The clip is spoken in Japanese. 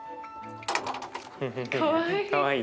かわいい。